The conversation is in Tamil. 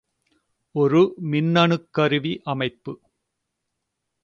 ஒரு மின்னணுக்கருவி அமைப்பு.